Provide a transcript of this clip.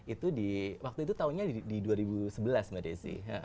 itu di waktu itu tahunnya di dua ribu sebelas mbak desi